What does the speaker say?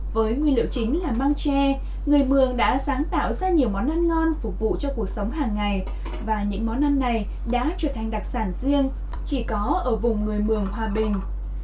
với nguyên liệu chính là măng tre người mường đã sáng tạo ra nhiều món ăn ngon phục vụ cho cuộc sống hàng ngày và những món ăn này đã trở thành đặc sản riêng chỉ có ở vùng người mường hòa bình